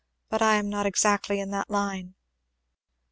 But I am not exactly in that line."